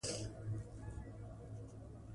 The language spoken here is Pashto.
علم د اقلیتونو د حقونو دفاع کوي.